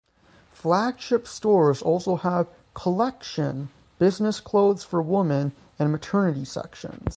Flagship stores also have "collection" business clothes for women, and maternity sections.